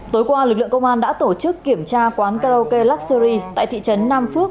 tối qua lực lượng công an đã tổ chức kiểm tra quán karaoke luxury tại thị trấn nam phước